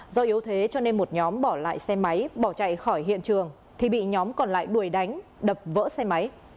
do yếu thế cho nên một nhóm bỏ lại xe máy bỏ chạy khỏi hiện trường thì bị nhóm còn lại đuổi đánh đập vỡ xe máy